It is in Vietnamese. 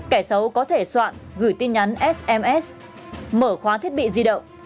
kẻ xấu có thể soạn gửi tin nhắn sms mở khóa thiết bị di động